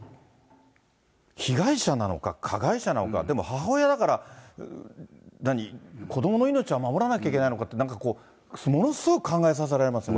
被害者なのか加害者なのか、でも母親だから、子どもの命は守らなきゃいけないのか、なんかこう、ものすごく考えさせられますね。